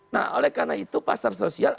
nah oleh karena itu pasar sosial